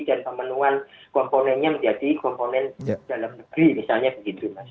dan pemenuhan komponennya menjadi komponen dalam negeri misalnya begitu mas